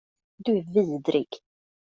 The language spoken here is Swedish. Du är vidrig.